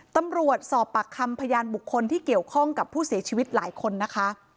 ตำรวจสอบปากคำพยานบุคคลที่เกี่ยวข้องกับผู้เสียชีวิตหลายคนนะคะ